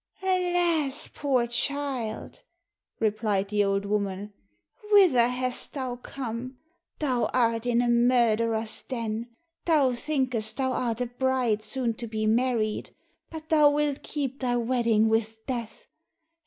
"Alas, poor child," replied the old woman, "whither hast thou come? Thou art in a murderer's den. Thou thinkest thou art a bride soon to be married, but thou wilt keep thy wedding with death.